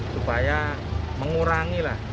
supaya mengurangi lah